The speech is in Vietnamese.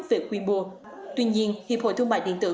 về quy mô tuy nhiên hiệp hội thương mại điện tử